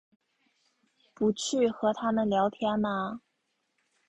不去和他们聊天吗？